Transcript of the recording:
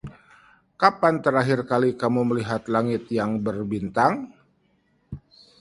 Kapan terakhir kali kamu melihat langit yang berbintang?